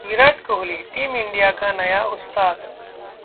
Virat Kohli: team India का नया उस्ताद